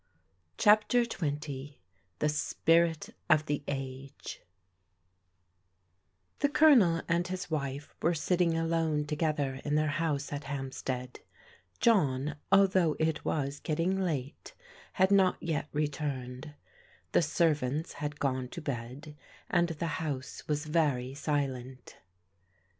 CHAPTER XX THE SPIRIT OF THE AGE THE Colonel and his wife were sitting alone together in their house at Hampstead. John, although it was getting late, had not yet re turned* The servants had gone to bed, and the house was very silent.